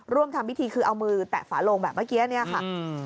ทำพิธีคือเอามือแตะฝาโลงแบบเมื่อกี้เนี่ยค่ะ